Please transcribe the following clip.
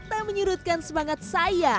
tak menyurutkan semangat saya